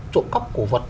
trộm cấp cổ vật